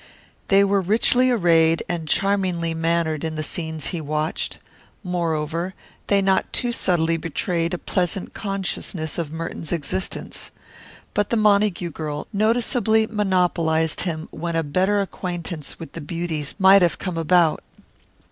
They were richly arrayed and charmingly mannered in the scenes he watched; moreover, they not too subtly betrayed a pleasant consciousness of Merton's existence. But the Montague girl noticeably monopolized him when a better acquaintance with the beauties might have come about.